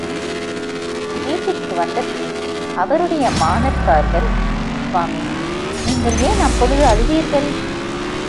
வீட்டிற்கு வந்த பின் அவருடைய மாணர்க்கார்கள், சுவாமி, நீங்கள் ஏன் அப்பொழுது அழுதீர்கள்?